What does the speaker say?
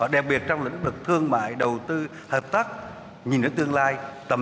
đặc biệt trong lĩnh vực thương mại đầu tư hợp tác nhìn đến tương lai tầm